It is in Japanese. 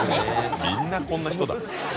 みんなこんな人だ。